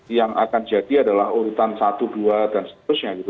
yang akan jadi adalah urutan satu dua dan seterusnya gitu